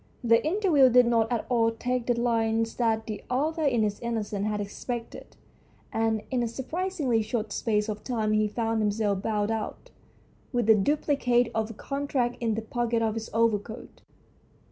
The interview did not at all take the lines that the author THE STORY OF A BOOK 127 in his innocence had expected, and in a surprisingly short space of time he found himself bowed out, with the duplicate of a contract in the pocket of his overcoat.